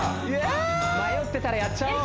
迷ってたらやっちゃおう！